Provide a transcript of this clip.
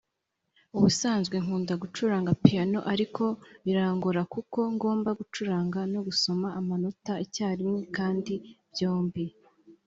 ubusanzwe nkunda gucuranga piyano ariko birangora kuko ngomba gucuranga no gusoma amanota icyarimwe kandi byombi